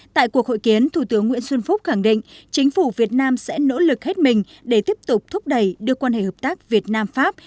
tại cuộc hội kiến thủ tướng nguyễn xuân phúc khẳng định chính phủ việt nam sẽ nỗ lực hết mình để tiếp tục thúc đẩy đưa quan hệ hợp tác việt nam pháp